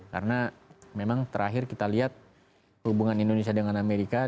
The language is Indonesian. karena memang terakhir kita lihat hubungan indonesia dengan amerika